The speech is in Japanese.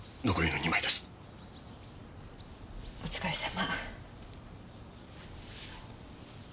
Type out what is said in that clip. お疲れさま。